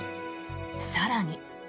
更に。